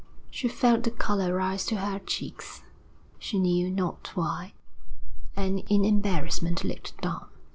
She felt the colour rise to her cheeks, she knew not why, and in embarrassment looked down.